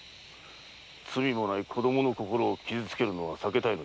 罪もない子供の心を傷つけるのは避けたいのだ。